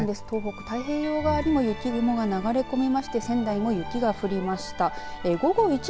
東北、太平洋側にも雪雲が流れ込みまして仙台も雪が降りました。